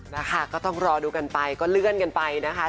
นะคะก็ต้องรอดูกันไปก็เลื่อนกันไปนะคะ